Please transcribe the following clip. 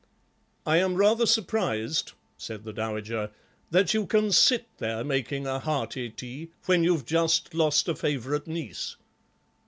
"I am rather surprised," said the dowager, "that you can sit there making a hearty tea when you've just lost a favourite niece."